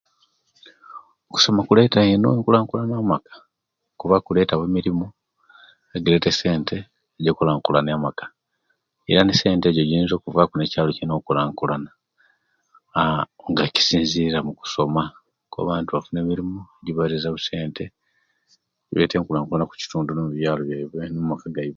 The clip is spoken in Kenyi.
Okusoma kuleta ino enkulankulana omumaaka kuba kuletawo emilimu egireta esente eja kulankulania amaka era esente ejo jiyinza okuvaku nekyalo kino okulankulana aaah nga kisinzirira mukusoma ko abantu bafuna emirimu esente jileta enkulankulana mukitundu ne mubyalo byaiwe ne'mumaka gaiwe